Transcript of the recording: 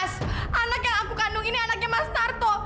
mas anak yang aku kandung ini anaknya mas marto